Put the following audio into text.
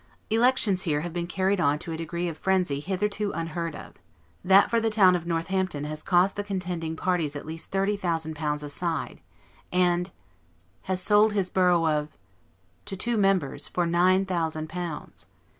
Elections here have been carried to a degree of frenzy hitherto unheard of; that for the town of Northampton has cost the contending parties at least thirty thousand pounds a side, and has sold his borough of , to two members, for nine thousand pounds.